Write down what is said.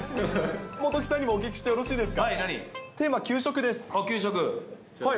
元木さんにもお聞きしていいですか。